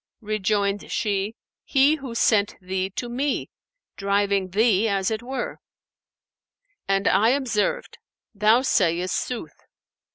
Rejoined she, 'He who sent thee to me, driving thee as it were;' and I observed, 'Thou sayest sooth.'